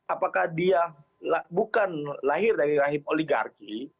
apakah dia bukan lahir dari rahim oligarki